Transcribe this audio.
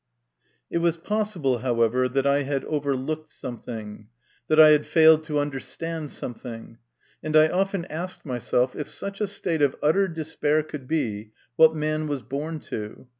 V, It was possible, however, that I had over looked something, that I had failed to under stand something ; and I often asked myself, if such a state of utter despair could be, what man was born to.